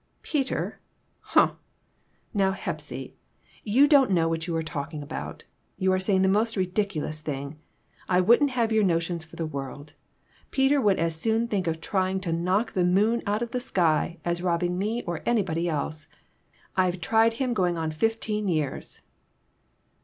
" Peter ! Humph ! Now, Hepsy, you don't ' PERTURBATIONS. 69 know what you're talking about. You are saying the most ridiculous thing. I wouldn't have your notions for the world. Peter would as soon think of trying to knock the moon out of the sky as robbing me, or anybody else. I've tried him going on to fifteen years."